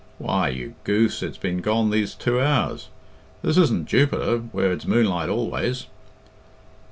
"Why, you goose, it's been gone these two hours. This isn't Jupiter, where it's moonlight always."